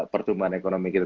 pertumbuhan ekonomi kita